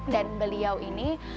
dan beliau ini kayaknya